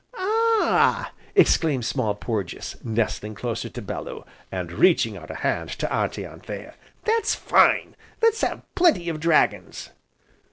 "Ah!" exclaimed Small Porges, nestling closer to Bellew, and reaching out a hand to Auntie Anthea, "that's fine! let's have plenty of dragons."